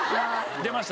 出ました。